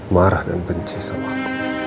marah dan benci sama